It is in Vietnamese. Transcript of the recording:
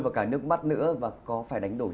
và cả nước mắt nữa và có phải đánh đổi